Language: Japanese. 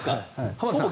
「浜田さん